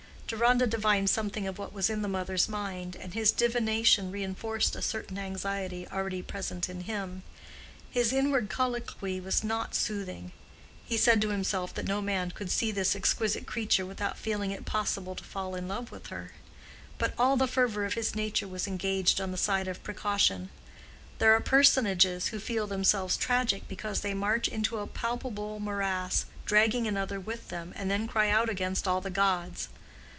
Deronda divined something of what was in the mother's mind, and his divination reinforced a certain anxiety already present in him. His inward colloquy was not soothing. He said to himself that no man could see this exquisite creature without feeling it possible to fall in love with her; but all the fervor of his nature was engaged on the side of precaution. There are personages who feel themselves tragic because they march into a palpable morass, dragging another with them, and then cry out against all the gods.